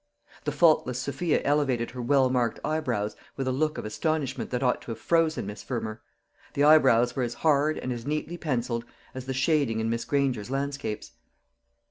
The faultless Sophia elevated her well marked eyebrows with a look of astonishment that ought to have frozen Miss Fermor. The eyebrows were as hard and as neatly pencilled as the shading in Miss Granger's landscapes.